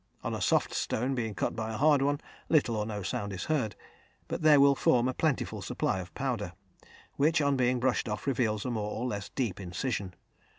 On a soft stone being cut by a hard one, little or no sound is heard, but there will form a plentiful supply of powder, which, on being brushed off, reveals a more or less deep incision.